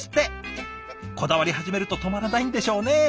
こだわり始めると止まらないんでしょうね。